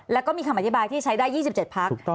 แล้วก็มีคำอธิบายที่ใช้ได้๒๗พัก